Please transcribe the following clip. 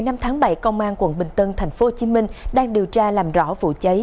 ngày tháng bảy công an quận bình tân tp hcm đang điều tra làm rõ vụ cháy